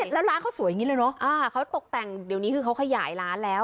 แล้วร้านเขาสวยอย่างนี้เลยเนอะเขาตกแต่งเดี๋ยวนี้คือเขาขยายร้านแล้ว